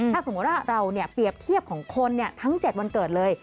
ถ้าสมมุติว่าเราเปรียบเทียบของคนทั้ง๗วันเกิดเลย